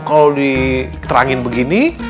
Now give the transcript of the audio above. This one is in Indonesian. kalau diterangin begini